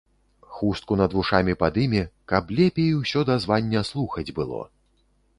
Хустку над вушамі падыме, каб лепей усё дазвання слухаць было.